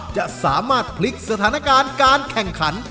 จะสามารถพลิกสถานการณ์การแข่งขัน